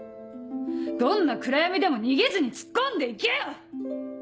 どんな暗闇でも逃げずに突っ込んで行けよ！